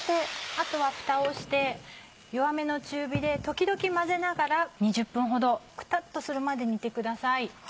あとはふたをして弱めの中火で時々混ぜながら２０分ほどクタっとするまで煮てください。